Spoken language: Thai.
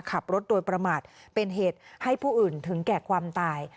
ขับรถโดยประมาทเป็นเหตุให้ผู้อื่นถึงแก่ความตาย